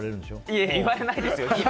いやいや、言われないですよ。